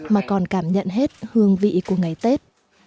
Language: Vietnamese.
mà cảm nhận hết hương vị của ngày tết